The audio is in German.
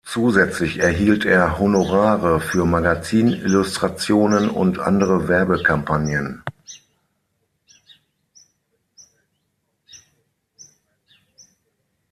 Zusätzlich erhielt er Honorare für Magazin-Illustrationen und andere Werbekampagnen.